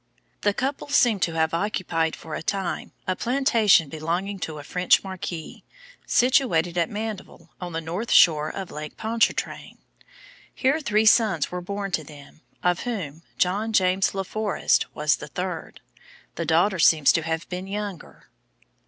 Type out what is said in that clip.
The couple seem to have occupied for a time a plantation belonging to a French Marquis, situated at Mandeville on the North shore of Lake Pontchartrain. Here three sons were born to them, of whom John James La Forest was the third. The daughter seems to have been younger.